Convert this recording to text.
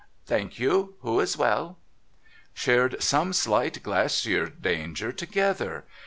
* Thank you. Who is well,' *— Shared some slight glacier dangers together.